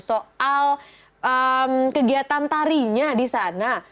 soal kegiatan tarinya di sana